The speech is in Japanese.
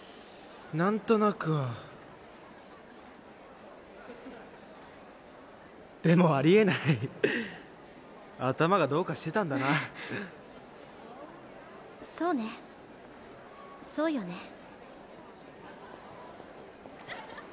何となくはでもあり得ない頭がどうかしてたんだなそうねそうよね